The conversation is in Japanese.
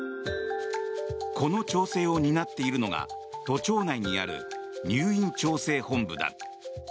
この調整を担っているのが都庁内にある入院調整本部だ。